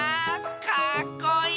かっこいい！